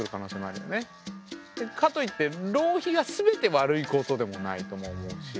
かといって浪費が全て悪いことでもないとも思うし。